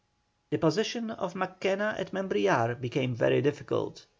The position of Mackenna at Membrillar became very difficult.